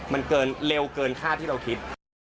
มันเกินเร็วเกินคาดที่เราคิด